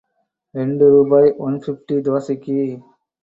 ரெண்டு ரூபாய், one fifty தோசைக்கு.